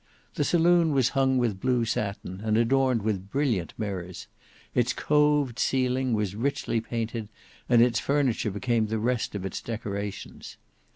The saloon was hung with blue satin, and adorned with brilliant mirrors: its coved ceiling was richly painted, and its furniture became the rest of its decorations.